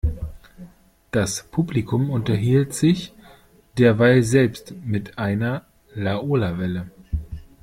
Das Publikum unterhielt sich derweil selbst mit einer Laola-Welle.